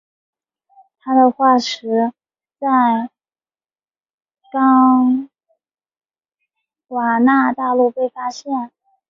它们的化石在冈瓦纳大陆被发现。